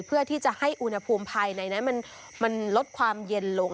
เพื่อที่จะให้อุณหภูมิภายในนั้นมันลดความเย็นลง